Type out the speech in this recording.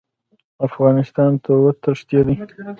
افغانستان ته وتښتي.